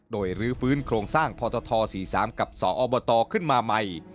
โดยรื้อฟื้นโครงสร้างพตท๔๓กับสอบตขึ้นมาใหม่